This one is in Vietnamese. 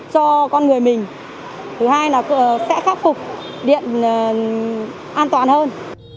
cho con người mình thứ hai là sẽ khắc phục điện an toàn hơn